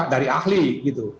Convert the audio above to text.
dari ahli gitu